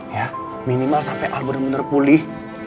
ya minimal sampai al bener bener pulih